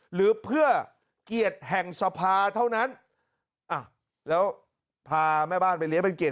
หรือเพื่อเกียรติแห่งสภาเท่านั้นแล้วพาแม่บ้านไปเลี้ยเป็นเกร